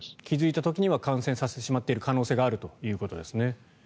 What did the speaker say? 気付いた時には感染させてしまっている可能性があるということですね。